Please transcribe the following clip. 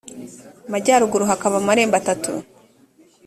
majyaruguru hakaba amarembo atatu